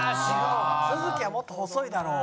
都築はもっと細いだろ。